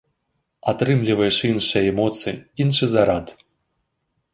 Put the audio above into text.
Атрымліваеш іншыя эмоцыі, іншы зарад.